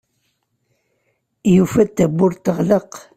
Yufa-d tawwurt teɣleq.